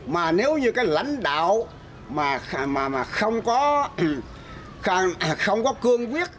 mà nếu như cái lãnh đạo mà không có cương quyết